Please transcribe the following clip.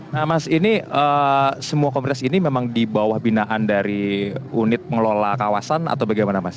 nah mas ini semua komunitas ini memang di bawah binaan dari unit pengelola kawasan atau bagaimana mas